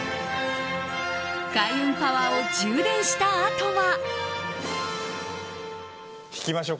開運パワーを充電したあとは。